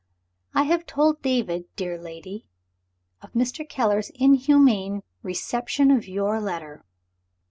"I have told David, dear lady, of Mr. Keller's inhuman reception of your letter."